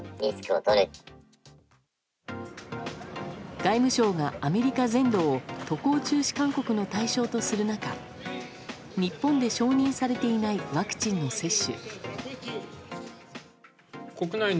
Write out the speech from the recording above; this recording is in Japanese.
外務省がアメリカ全土を渡航中止勧告の対象とする中日本で承認されていないワクチンの接種。